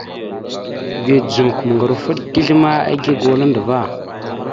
Vya dzomok maŋgar offoɗ dezl ma igégula andəva.